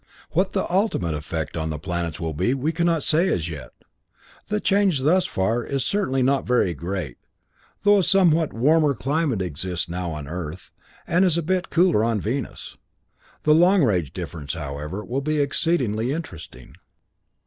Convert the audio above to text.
What the ultimate effect on the planets will be, we cannot say as yet. The change thus far is certainly not very great, though a somewhat warmer climate exists now on Earth, and it is a bit cooler on Venus. The long range difference, however, will be exceedingly interesting.